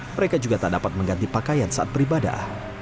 mereka juga tak dapat mengganti pakaian saat beribadah